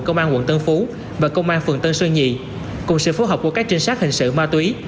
công an quận tân phú và công an phường tân sơn nhì cùng sự phối hợp của các trinh sát hình sự ma túy